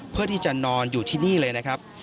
เพื่อที่จะนอนอยู่ที่นี่เลยนะครับ